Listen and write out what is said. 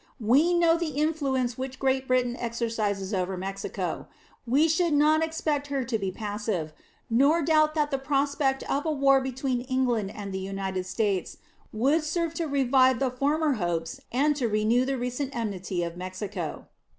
We know the influence which Great Britain exercises over Mexico; we should not expect her to be passive, nor doubt that the prospect of a war between England and the United States would serve to revive the former hopes and to renew the recent enmity of Mexico.